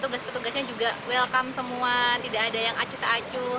tugas petugasnya juga welcome semua tidak ada yang acut acuh